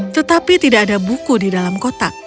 tetapi tidak ada buku di dalam kotak